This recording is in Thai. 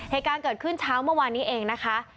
เหตุการณ์เกิดขึ้นเช้าเมื่อวานนี้เองนะคะ